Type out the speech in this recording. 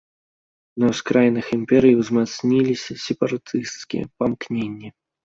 На ўскраінах імперыі ўзмацніліся сепаратысцкія памкненні.